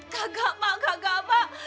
kakak pak kakak pak